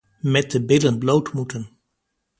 Met de billen bloot moeten.